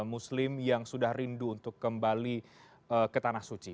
muslim yang sudah rindu untuk kembali ke tanah suci